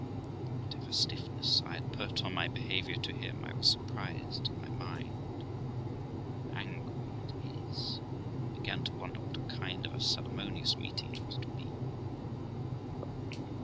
Whatever stiffness I had put on my behaviour to him, 1 was surprised in my mind, and angry, at his, and began to wonder what kind of a ceremonious meeting it was to be.